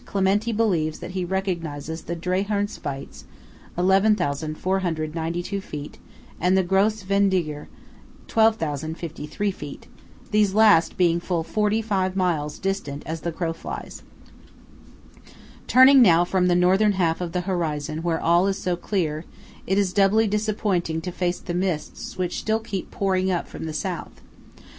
Clementi believes that he recognises the Drei Herrn Spitz (11,492 feet) and the Grosse Venediger (12,053 feet); these last being full forty five miles distant as the crow flies. Turning now from the Northern half of the horizon where all is so clear, it is doubly disappointing to face the mists which still keep pouring up from the South.